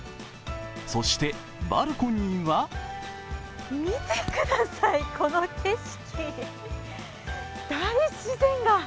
そしてバルコニーには見てください、この景色。